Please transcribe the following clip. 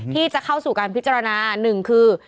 ที่จะเข้าสู่การพิจารณาหนึ่งคือ